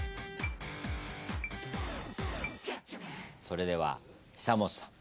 それでは久本さん。